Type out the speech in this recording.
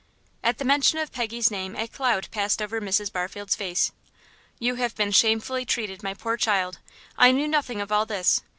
At the mention of Peggy's name a cloud passed over Mrs. Barfield's face. "You have been shamefully treated, my poor child. I knew nothing of all this.